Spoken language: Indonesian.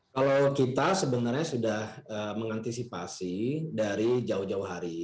kalau kita sebenarnya sudah mengantisipasi dari jauh jauh hari